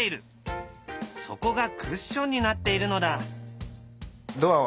そこがクッションになっているのだ。